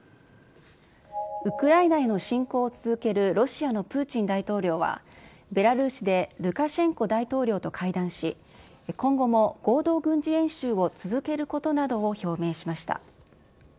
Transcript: ウクライナへの侵攻を続けるロシアのプーチン大統領は、ベラルーシでルカシェンコ大統領と会談し、今後も合同軍事演習を続けることなどを表明しました。